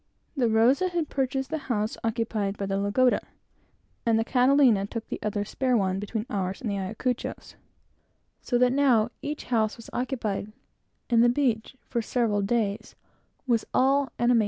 The Rosa had purchased the house occupied by the Lagoda, and the Catalina took the other spare one between ours and the Ayacucho's, so that, now, each one was occupied, and the beach, for several days, was all alive.